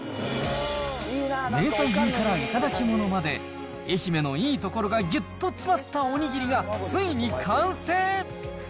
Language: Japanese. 名産品から頂き物まで、愛媛のいいところがぎゅっと詰まったおにぎりがついに完成。